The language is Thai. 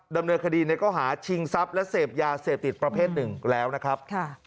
ดำเนินคดีในข้อหาชิงทรัพย์และเสพยาเสพติดประเภทหนึ่งแล้วนะครับ